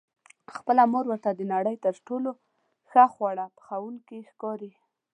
خپله مور ورته د نړۍ تر ټولو ښه خواړه پخوونکې ښکاري.